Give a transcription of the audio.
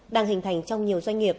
đang hình thành trong nhiều doanh nghiệp